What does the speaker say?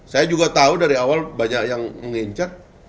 saya juga tahu dari awal banyak yang mengincar